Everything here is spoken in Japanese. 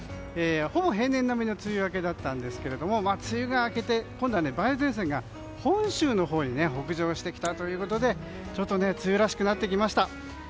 ほぼ平年並みの梅雨明けだったんですが梅雨が明けて今度は梅雨前線が本州のほうに北上してきたということで梅雨らしくなってきました。